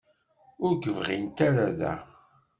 Ur k-bɣint ara da.